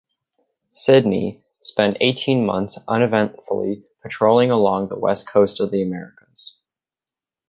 "Sydney" spent eighteen months uneventfully patrolling along the west coast of the Americas.